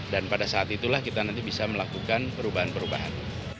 dan pada saat itulah kita nanti bisa melakukan perubahan perubahan